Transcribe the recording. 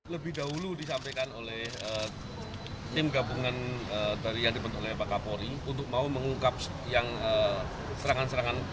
lebih dahulu disampaikan oleh tim gabungan dari yang dibentuk oleh pak kapolri untuk mau mengungkap yang serangan serangan